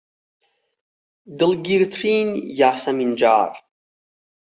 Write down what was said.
دڵگیرترین یاسەمینجاڕ